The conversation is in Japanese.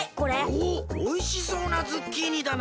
おおおいしそうなズッキーニだな。